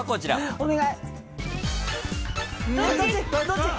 お願い。